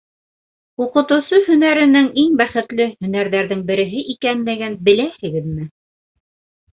Уҡытыусы һөнәренең иң бәхетле һөнәрҙәрҙең береһе икәнлеген беләһегеҙме?